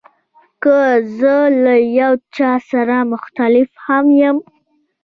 که زه له یو چا سره مخالف هم یم.